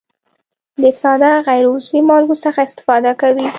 د ساده غیر عضوي مالګو څخه استفاده کوي.